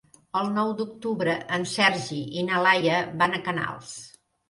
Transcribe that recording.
El nou d'octubre en Sergi i na Laia van a Canals.